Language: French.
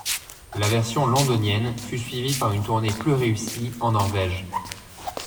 La version londonienne fut suivie par une tournée plus réussie en Norvège.